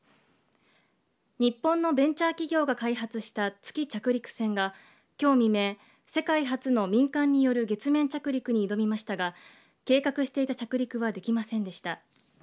日本のベンチャー企業が開発した月着陸船がきょう未明、世界初の民間による月面着陸に挑みましたが計画していた着陸はできませんでした。